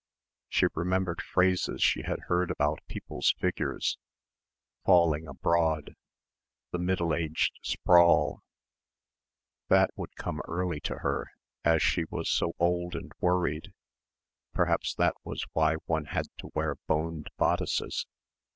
She remembered phrases she had heard about people's figures ... "falling abroad" ... "the middle aged sprawl" ... that would come early to her as she was so old and worried ... perhaps that was why one had to wear boned bodices